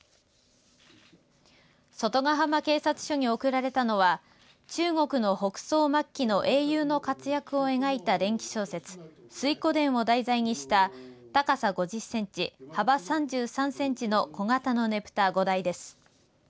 外ヶ浜警察署に送られたのは中国の北宋末期の英雄の活躍を描いた伝奇小説水滸伝を題材にした高さ５０センチ、幅３３センチの小型のねぷた５台です。